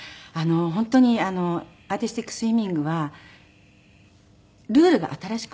本当にアーティスティックスイミングはルールが新しくなって。